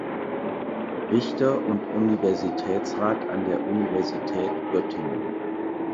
Richter und Universitätsrat an der Universität Göttingen.